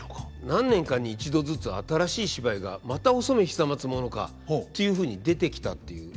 何年かに一度ずつ新しい芝居が「またお染久松物か」っていうふうに出てきたっていう。